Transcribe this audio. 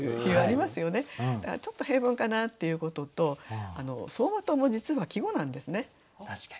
ちょっと平凡かなということと「走馬灯」も実は季語なんですね。